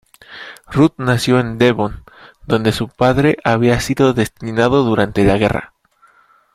Ruth nació en Devon donde su padre había sido destinado durante la guerra.